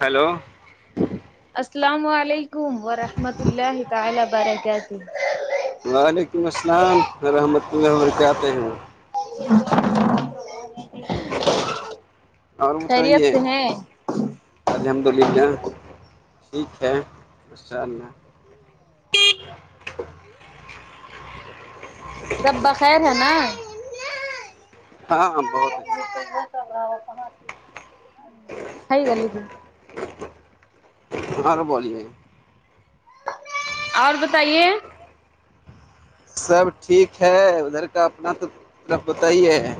hello السلام علیکم ورحمۃ اللہ تعالی برک ہی وعلیکم السلام رحمۃ اللہ وبرکاتہ ہیں ہاں اور بتائی خیریت ہے سے ہیں الحمد للہ ٹھیک ہے اس شاء اللہ سب بخیر ہے نا ہاں بہت اچ کائی گلی کہ ہر بولیے اور بتائیے سب ٹھیک ہے ادھر کا اپنا تو مطلف بتا ہی ہے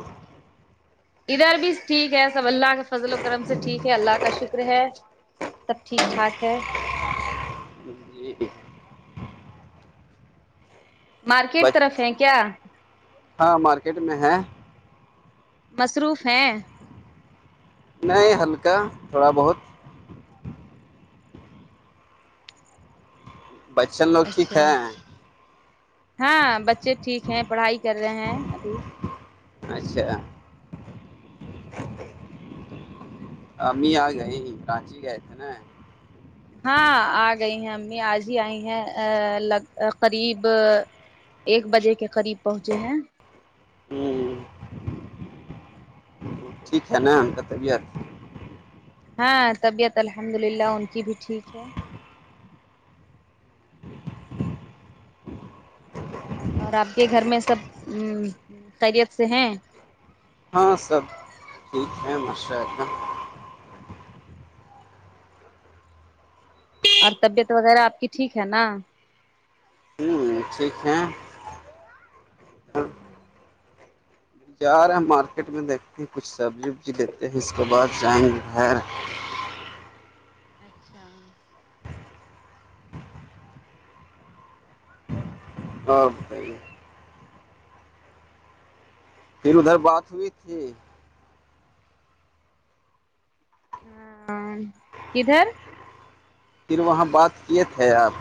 ادھر بھی ٹھیک ہے سب اللہ کے فضل و کرم سے ٹھیک ہے اللہ کا شکر ہے سب ٹھیک ٹھاک ہے جی مارکیٹ بچ طرف ہے کیا ہاں مارکیٹ میں ہے مصروف ہیں نہیں ہلکا تھوڑا بہت بچن لوگ ٹھیک اچھا ہے ہاں بچے ٹھیک ہیں پڑھائی کر رہے ہیں ابھی اچھا ہی م آ گئے رانچی گئے تھے نا ہاں آ گئی ہیں امی آج ہی آئی ہیں ا قریب ایک بجے کے قریب پہنچے ہیں ہوں ٹھ ہے نا ہم بتبی ہاں طبیعت الحمد للہ ان کی بھی ٹھیک ہے اور آپ کے گھر میں سب خریت سے ہیں ہاں سب ٹھیک ہے ماشاء اللہ اور طبیعت وغیرہ آپ کی ٹھیک ہے نا ہوں ٹھیک ہے ہوں جا رہے ہیں مارکیٹ میں دیکھتے ہیں کچھ سبزی وبزی دیتے ہیں اس کے بعد جائیں گے گیر اچھا اور بھائی پھر ادھر بات ہوئی تھی ہاں کدھر پھر وہاں بات کیے تھے آپ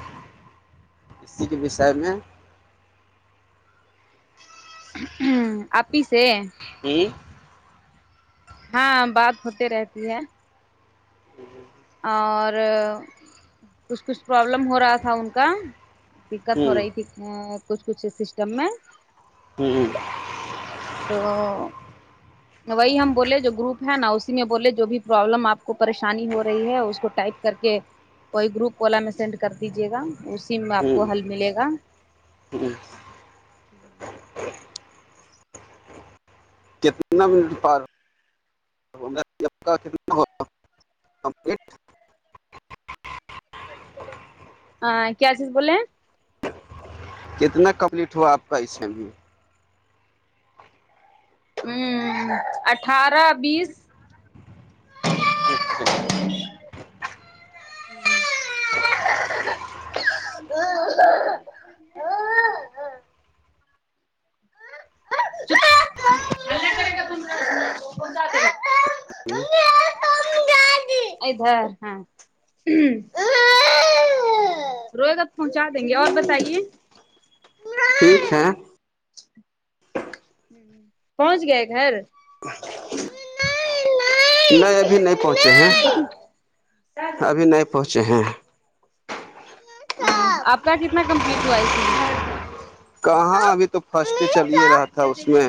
اسی کے وشے میں ہ آیس ہوں [inaudible] ہاں بات ہوتے رہتی ہے جی جی اور کچھ کچھ پرابلم ہو رہا تھا ان کا دقت ہو ہوں رہی تھی کچھ کچھ سسٹم میں ہ تو تو وہی ہم بولے جو گروپ ہے نا اسی میں بولے جو بھی پرابلم آپ کو پریشانی ہو رہی ہے اس کو ٹائپ کر کے کوئی گروپ والا میں سینڈ کر دیجیے گا اسی میں آپ کو ہوں حل ملے گا ہوں کتنا منٹ پ کا کتنا ہوگا کمپلیٹ ہاں کیا چیز بولے ہیں کتنا کمپلیٹ ہوا آپ کا اس سےم بھی ہوں اٹھارہ بیس اچھا [inaudible] ہ ال کر ت فن ج ج ادھر ہاں ہ روئے گت پہنچا دیں گے اور بتائیے ٹھیک ہے ہوں پہنچ گئے گھر نہیں ابھی نہیں پہنچے ہیں دیکھو ابھی نہیں پہنچے ہیں ہ آپ کا کتنا کمپلیٹ ہوا اس میں کہاں ابھی تو فرسٹ ڈے چلے رہا تھا اس میں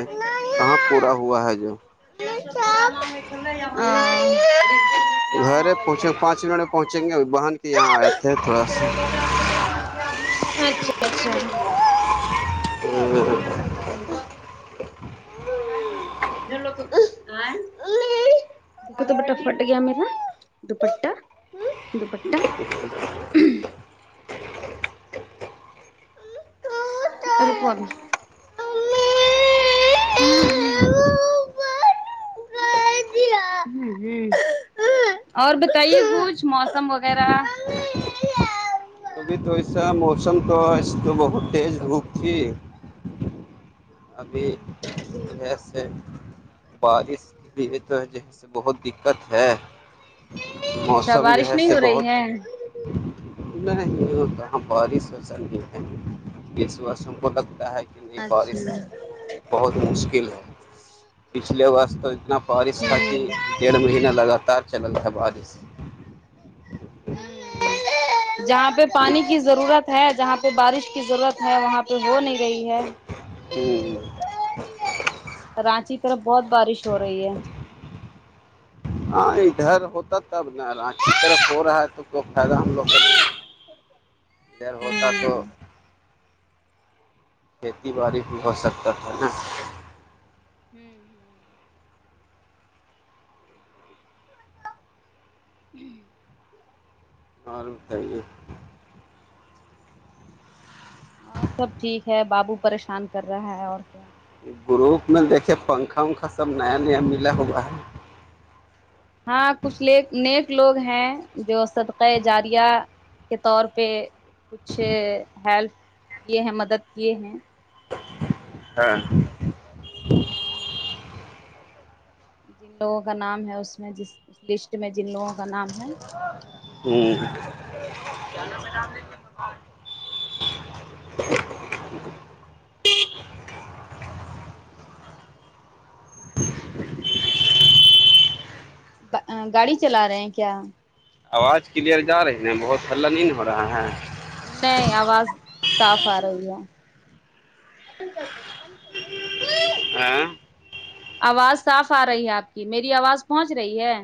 کہاں پورا ہوا ہے جو اا گھر پہنچیں پانچ منٹ میں پہنچیں گے بہن کے یہاں آئے تھے تھوڑا سا اچھا اچھا [inaudible] ڈ تو تو کت بٹا پٹ گ میرا دوپٹا دوپٹا تو کوو بھی ہ ہ ہ اور بتائیے کچھ موسم وغیرہ کبھی تو ایسا موسم تو اس تو بہت تیز دھوپ تھی ابھی بارش بھی تو بہت دقت ہے اچھا موسم جو بارش ہے نہیں س ہو بہت رہی ہے پر ہی سو نہیں ہے یہ سسم کو لگتا ہے کہ لیکن یہ بارش اچھا بہت مشکل ہے پچھلے وقت تو اتنا بارش تھا کہ ڈیڑھ مہینہ لگاتار چلل تھا بارش جہاں پہ پانی ک ضرورت ہے جہاں پہ بارش کی ضرورت ہے وہاں پہ ہو نہیں گئی ہے ہوں ہ رانچی طرف بہت بارش ہو رہی ہے ہاں ادھر ہوتا تب ن رانچی کی طرف ہو رہا ہے تو کی فائدہ ہم لوگ کا ادھر ہوتا تو کھیتی باڑی بھی ہو سکتا تھا نا ہوں ہوں جی اور بتائیے اور سب ٹھیک ہے بابو پریشان کر رہا ہے اور کیا گروپ میں دیکھے پنکھا ونکھا سب نیا نیا ملا ہوا ہے ہاں کچھ لیک نیک لوگ ہیں جو صدقے جاریا کے طور پہ کچھ ہیلپ کیے ہیں مدد کیے ہیں ہاں ہوں جن لوگوں کا نام ہے اس میں جس اس لسٹ میں جن لوگوں کا نام ہے [inaudible] ہوں کیا نام میں رام د گاڑی چلا رہے ہیں کیا آواز کلیئر جا رہی ن بہت ہلہ نہیںین ہو رہا ہے نہیں آواز تاف آ رہی ہے اپن کرتے اپن کرتے ہاں آواز صاف آ رہی ہے آپ کی میری آواز پہنچ رہی ہے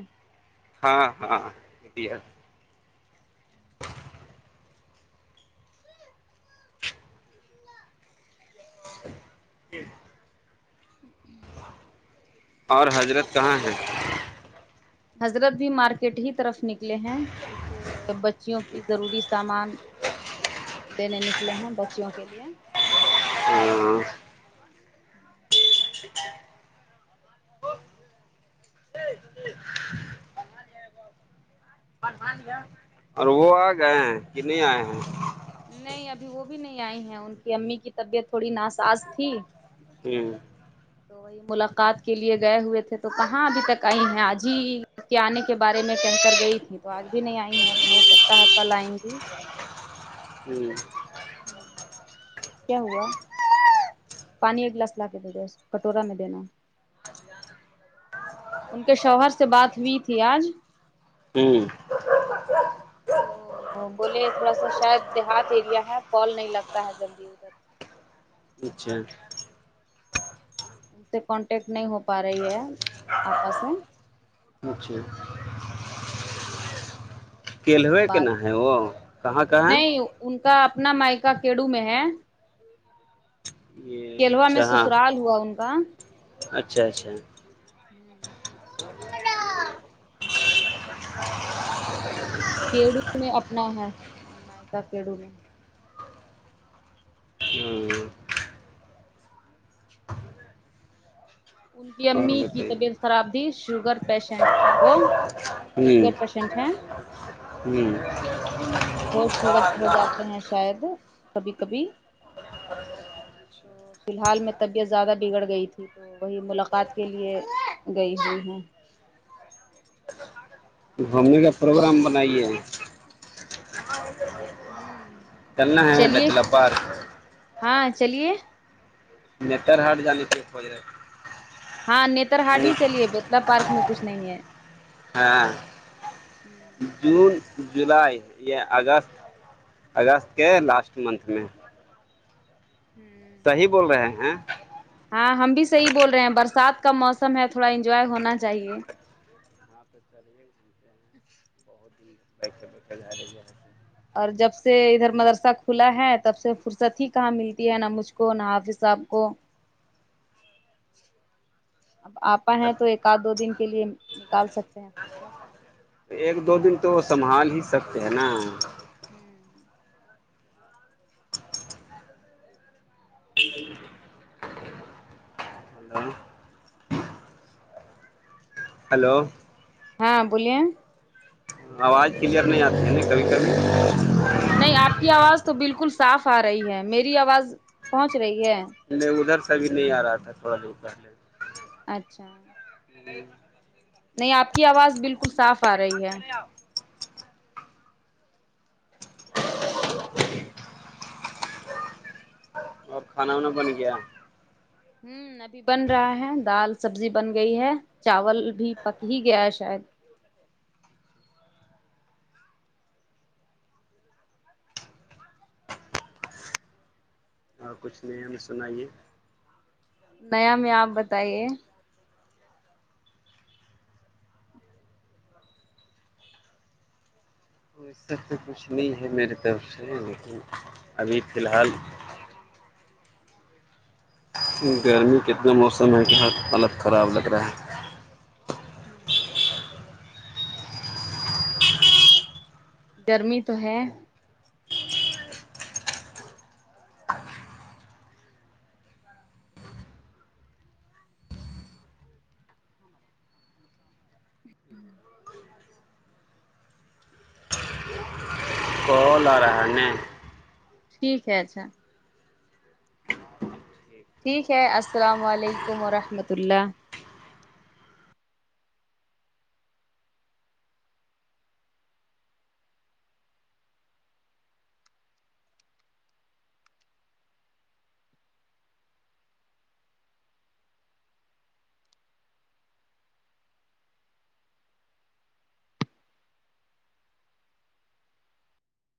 ہاں ہاں ایا اور حضرت کہاں ہے حضرت بھی مارکیٹ ہی طرف نکلے ہیں بچیوں کی ضروری سامان لینے نکلے ہیں بچیوں کے لیے ہوں اور وہ آ گئے ہیں کہ نہیں آئے ہیں نہیں ابھی وہ بھی نہیں آئی ہیں ان کی امی کی طبیعت تھوڑی ناساز تھی ہوں تو وہی ملاقات کے لیے گئے ہوئے تھے تو کہاں ابھی تک آئی ہیں آج ہی جب کے آنے کے بارے میں کینکر گئی تھی تو آج بھی نہیں آئی ہے ہو سکتا ہے کل آئیں گی ہوں چ گے پانی ایک گلاس لا کے دے د اس کٹورا میں دینا ان کے شوہر سے بات ہوئی تھی آج ہوں تو ا بولے تھوڑا سا شاید دیہات ایریا ہے پال نہیں لگتا ہے جلدی ادھر اچھا ان سے کانٹیکٹ نہیں ہو پا رہی ہے آپس سے اچھا تو وہ بولے کہ کلوے کے بات نا ہے وہ کہاں کہ ہے نہیں ان کا اپنا مائکا کیڈو میں ہے یہ کیلوا میں اچھا ہاں سسرال ہوا ان کا اچھا اچھا ہوں مائ کا کےڈوول ان کی اور امی کی بتائیے طبیعت خراب تھی شوگر پیشنٹ تھے وہ شگر پیشنٹ ہیں ہی ہوش ہو ہو جاتے ہیں شاید کبھی کبھی تو فی الحال میں طبیعت زیادہ بگڑ گئی تھی تو وہی ملاقات کے لیے گئی ہوئی ہیں گھ نے کا پروگرام بنائیے [inaudible] ہوں چلنا ہے چلیے ڈچلا پار ہاں چلیے نتر ہاٹ جال تھ و ہاں نیتر ہاٹ ہی چلیے بیتلا پارک میں کچھ نہیں ہے ہاں ہوں جون جولائی اگست اگست کے لاسٹ منتھ میں ہوں یہی بول رہے ہیں ہاں ہم بھی صحیح بول رہے ہیں برسات کا موسم ہے تھوڑا انجوائے ہونا چاہیے اں پہ چلے سلتے ہیں بہت ہی بیٹھتے بیٹھ کر جا رہی ہے اور جب سے ادھر مدرسہ کھلا ہے تب سے فرصت ہی کہاں ملتی ہے نہ مجھ کو نہ حافظ صاحب کو اب آپا ہے تو رہے ایک آدھ دو دن کے لیے نکال سکتے ہیں س ایک دو دن تو وہ سنبھال ہی سکتے ہیں نا ہوں ہلو ہلو ہاں بولیے آواز کلیئر نہیں آتی ہے ن کبھی کبھی نہیں آپ کی آواز تو بالکل صاف آ رہی ہے میری آواز پہنچ رہی ہے نہیں ادھر سے ا بھیھی نہیں آ رہا تھا تھوڑا دور پہلے اچھا نہیں آپ کی آواز بالکل صاف آ رہی ہے [inaudible] اور کھانا وانا بن گیا ہوں ابھی بن رہا ہے دال سبزی بن گئی ہے چاول بھی پک ہی گیا ہے شاید اور کچھ نہیں ہمیں سنائیے نیا میں آپ بتائیے تو اس سب تو کچھ بات نہیں بتائیں ہے گے میری طرف سے لیکن ابھی فی الحال گرمی کا اتنا موسم ہے کہ ہ حالت خراب لگ رہا ہے ہوں گرمی تو ہے ہ تولہ رہنے ٹھیک ہے اچھا ٹھیک ہے السلام علیکم ورحمۃ اللہ